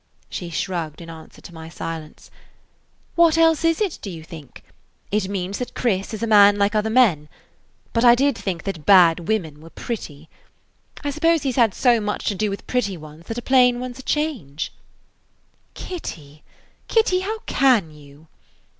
She shrugged in answer to my silence. "What else is it, do you think? It means that Chris is a man like other men. But I did think that bad women were pretty. I suppose he 's had so much to do with pretty ones that a plain one 's a change." "Kitty! Kitty! how can you!"